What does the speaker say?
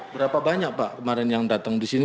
berapa banyak pak kemarin yang datang di sini